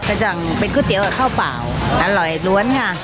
สั่งเป็นก๋วยเตี๋ยวกับข้าวเปล่าอร่อยล้วนค่ะ